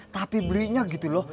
tapi belinya gitu loh